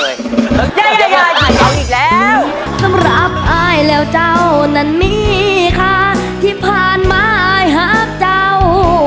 อย่าท่าเนื้ออีกแล้ว